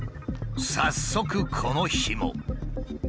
早速この日も。